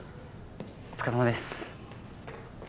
お疲れさまです。